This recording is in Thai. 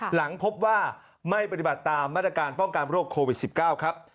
หลังพบว่าไม่ปฏิบัติตามมาตรการป้องกันโรคโควิด๑๙ครับ